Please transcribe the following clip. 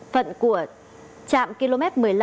phận của trạm km một mươi năm